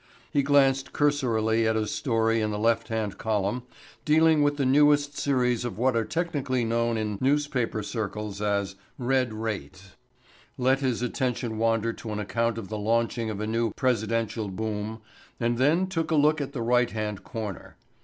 He glanced cursorily at a story in the left hand column dealing with the newest series of what are technically known in newspaper circles as "Red Raids;" let his attention wander to an account of the launching of a new presidential boom and then took a look at the right hand corner.